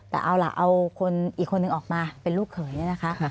แต่เอาล่ะเอาคนอีกคนนึงออกมาเป็นลูกเขยเนี่ยนะคะ